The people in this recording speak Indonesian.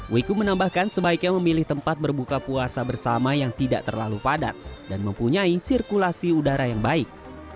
wiku menambahkan sebaiknya memilih tempat berbuka puasa bersama yang tidak terlalu padat dan mempunyai sirkulasi udara yang baik